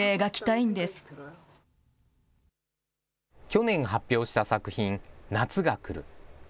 去年発表した作品、夏が来る。